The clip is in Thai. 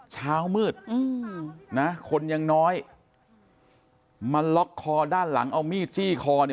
เช้ามืดนะคนยังน้อยมาล็อกคอด้านหลังเอามีดจี้คอเนี่ย